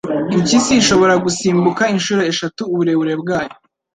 Impyisi ishobora gusimbuka inshuro eshatu uburebure bwayo.